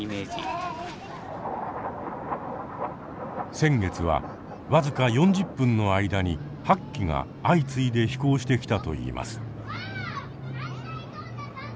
先月は僅か４０分の間に８機が相次いで飛行してきたといいます。